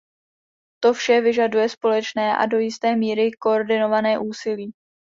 To vše vyžaduje společné a do jisté míry koordinované úsilí.